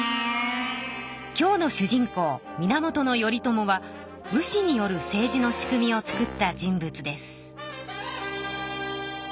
今日の主人公源頼朝は武士による政治の仕組みをつくった人物です。